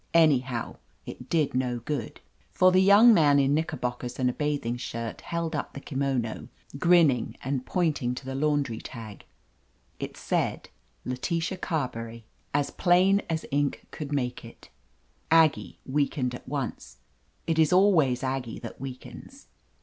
Any how, it did no good, for the young man in 286 OF LETITIA CARBERRY knickerbockers and a bathing shirt held up the kimono, grinning and pointing to the laundry tag. It said "Letitia Carberry," as plain as ink could make it. Aggie weakened at once. It is always Aggie that weakens.